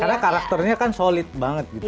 karena karakternya kan solid banget gitu